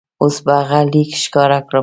اوس به هغه لیک ښکاره کړم.